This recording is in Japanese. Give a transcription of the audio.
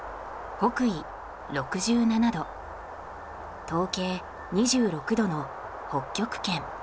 北緯６７度東経２６度の北極圏。